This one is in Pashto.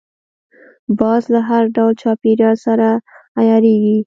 باز له هر ډول چاپېریال سره عیارېږي